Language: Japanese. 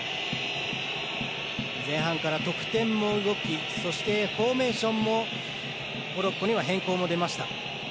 前半から得点も動きそして、フォーメーションもモロッコには変更が出ました。